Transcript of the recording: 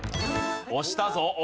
押したぞ！